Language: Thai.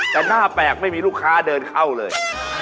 แต่หน้าแปลกไม่มีลูกค้าเดินเข้าเลย